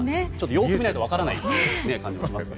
よく見ないと分からない感じがしますが。